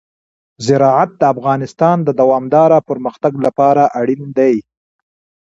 زراعت د افغانستان د دوامداره پرمختګ لپاره اړین دي.